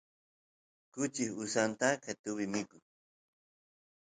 kuchi usanta qetuvi mikun